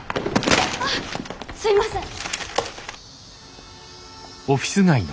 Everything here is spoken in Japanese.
あっすいません。